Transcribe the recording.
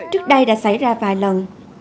trước đây đã xảy ra vài lần